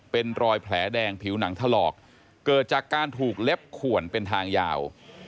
เป็นรอยแผลแดงผิวหนังถลอกเกิดจากการถูกเล็บขวนเป็นทางยาว